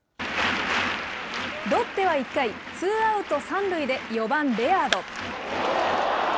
ロッテは１回、ツーアウト３塁で４番レアード。